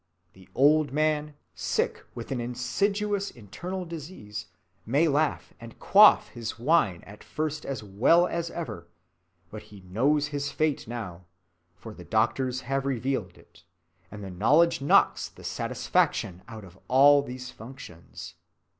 The old man, sick with an insidious internal disease, may laugh and quaff his wine at first as well as ever, but he knows his fate now, for the doctors have revealed it; and the knowledge knocks the satisfaction out of all these functions.